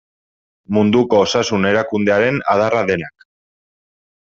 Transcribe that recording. Munduko Osasun Erakundearen adarra denak.